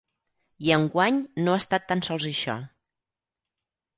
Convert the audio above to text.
I enguany no ha estat tan sols això.